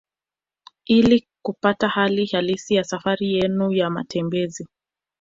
Ili kupata hali halisi ya safari yenu ya matembezi